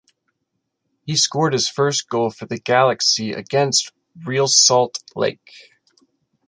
He scored his first goal for the Galaxy against Real Salt Lake.